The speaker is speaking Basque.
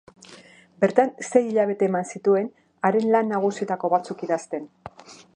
Bertan sei hilabete eman zituen haren lan nagusietako batzuk idazten.